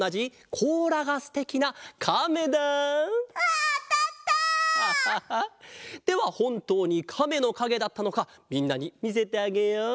アハハではほんとうにカメのかげだったのかみんなにみせてあげよう。